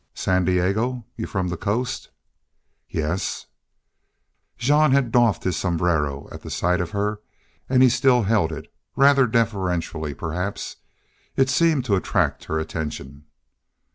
"San Diego! Y'u're from the coast?" "Yes." Jean had doffed his sombrero at sight of her and he still held it, rather deferentially, perhaps. It seemed to attract her attention.